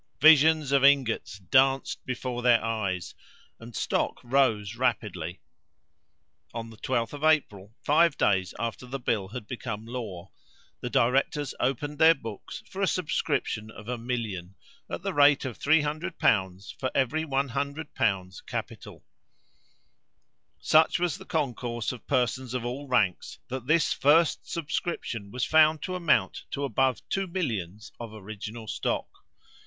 "Visions of ingots danced before their eyes," and stock rose rapidly. On the 12th of April, five days after the bill had become law, the directors opened their books for a subscription of a million, at the rate of 300l. for every 100l. capital. Such was the concourse of persons of all ranks, that this first subscription was found to amount to above two millions of original stock.